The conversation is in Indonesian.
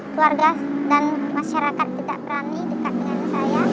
keluarga dan masyarakat tidak berani dekat dengan saya